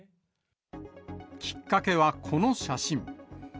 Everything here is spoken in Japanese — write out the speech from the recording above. きっかけはこの写真。